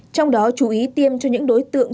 trong đó chú ý tiêm cho những đối tượng